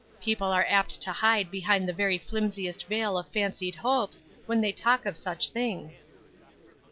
People are apt to hide behind the very flimsiest veil of fancied hopes when they talk of such things.